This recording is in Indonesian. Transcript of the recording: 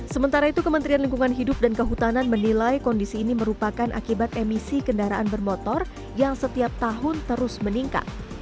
sementara itu kementerian lingkungan hidup dan kehutanan menilai kondisi ini merupakan akibat emisi kendaraan bermotor yang setiap tahun terus meningkat